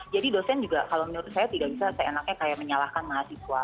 jadi dosen juga kalau menurut saya tidak bisa ternyata enaknya kayak menyalahkan mahasiswa